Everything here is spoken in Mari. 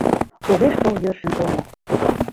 Огеш тол йӧршын омо